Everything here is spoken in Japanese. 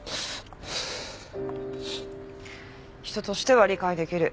人としては理解できる。